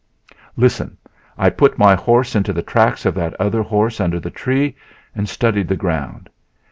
"Listen! I put my horse into the tracks of that other horse under the tree and studied the ground.